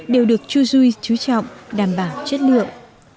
đều được chujuis chú trọng đảm bảo chất lượng